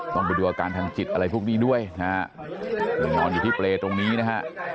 ต้องไปดูอาการทางจิตอะไรพวกนี้ด้วยนะฮะนี่นอนอยู่ที่เปรย์ตรงนี้นะฮะ